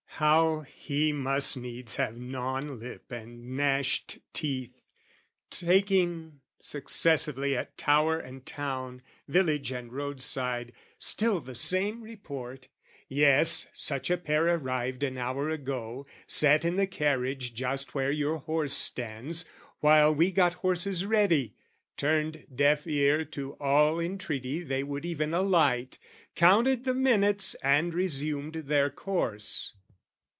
How he must needs have gnawn lip and gnashed teeth, Taking successively at tower and town, Village and roadside, still the same report, "Yes, such a pair arrived an hour ago, "Sat in the carriage just where your horse stands, "While we got horses ready, turned deaf ear "To all entreaty they would even alight; "Counted the minutes and resumed their course."